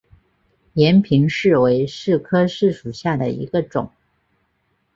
延平柿为柿科柿属下的一个种。